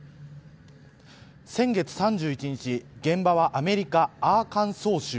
先月３１日現場はアメリカアーカンソー州。